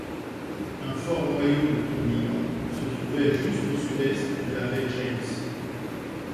Un fort noyau de tourbillon se trouvait juste au sud-est de la baie James.